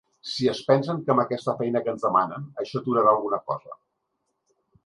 Si es pensen que amb aquesta feina que ens demanen això aturarà alguna cosa.